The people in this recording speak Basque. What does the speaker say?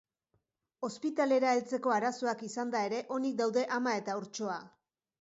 Ospitalera heltzeko arazoak izanda ere, onik daude ama eta haurtxoa.